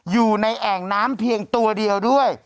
อยู่ในแอ่งน้ำเพียงตัวเดียวด้วย